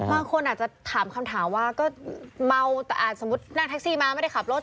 บางคนอาจจะถามคำถามว่าก็เมาแต่สมมุตินั่งแท็กซี่มาไม่ได้ขับรถ